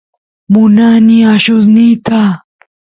munani allusniyta